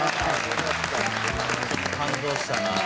感動したなあ。